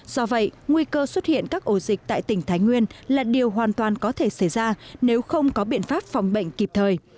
do vậy nguy cơ xuất hiện các ổ dịch tại tỉnh thái nguyên là điều hoàn toàn có thể xảy ra nếu không có biện pháp phòng bệnh kịp thời